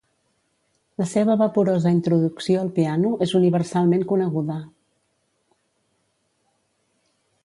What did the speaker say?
La seva vaporosa introducció al piano és universalment coneguda.